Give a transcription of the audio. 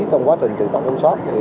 trong quá trình trực tập công soát